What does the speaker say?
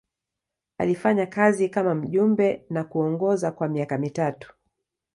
Alifanya kazi kama mjumbe na kuongoza kwa miaka mitatu.